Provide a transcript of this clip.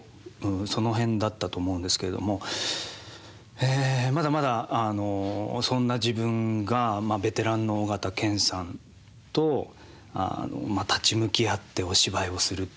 その辺だったと思うんですけれどもまだまだそんな自分がベテランの緒形拳さんと立ち向き合ってお芝居をするっていうのすごくスリリングなことで。